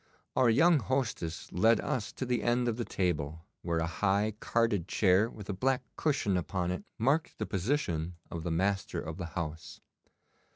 Our young hostess led us to the end of the table, where a high carded chair with a black cushion upon it marked the position of the master of the house.